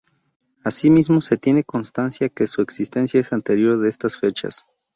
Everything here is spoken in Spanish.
Asimismo, se tiene constancia que su existencia es anterior de estas fechas.